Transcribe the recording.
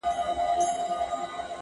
شرنګ د زولنو به دي غوږو ته رسېدلی وي!